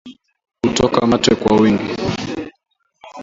Kutoka mate kwa wingi